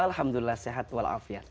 alhamdulillah sehat walafiat